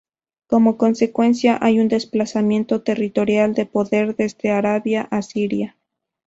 Como consecuencia, hay un desplazamiento territorial de poder desde Arabia a Siria.